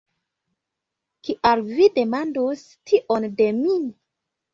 Kial vi demandus tion de mi?